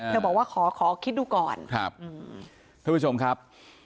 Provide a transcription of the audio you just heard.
บอกว่าขอขอคิดดูก่อนครับท่านผู้ชมครับ